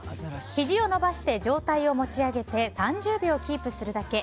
ひじを伸ばして上体を持ち上げて３０秒キープするだけ。